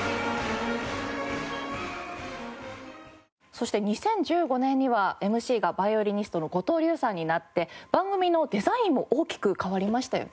そして２０１５年にはＭＣがバイオリニストの五嶋龍さんになって番組のデザインも大きく変わりましたよね。